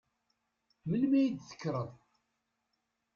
Melmi i d-tekkreḍ?